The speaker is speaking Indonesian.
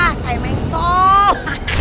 ah saya mengsel